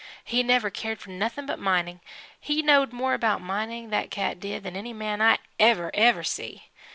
He never cared for nothing but mining. He knowed more about mining, that cat did, than any man I ever, ever see.